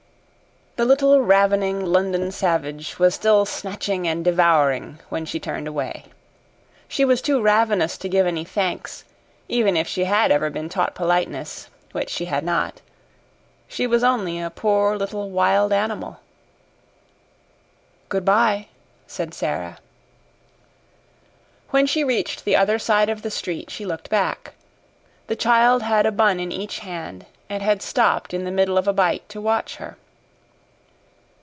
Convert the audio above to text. The little ravening London savage was still snatching and devouring when she turned away. She was too ravenous to give any thanks, even if she had ever been taught politeness which she had not. She was only a poor little wild animal. "Good bye," said Sara. When she reached the other side of the street she looked back. The child had a bun in each hand and had stopped in the middle of a bite to watch her.